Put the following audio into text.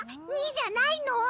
２じゃないの？